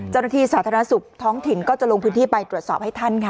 สาธารณสุขท้องถิ่นก็จะลงพื้นที่ไปตรวจสอบให้ท่านค่ะ